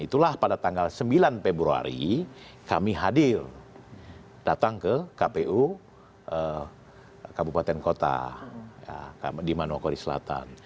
itulah pada tanggal sembilan februari kami hadir datang ke kpu kabupaten kota di manokwari selatan